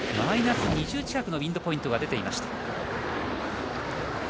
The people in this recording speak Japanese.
マイナス２０近くのウィンドポイントが出ていました。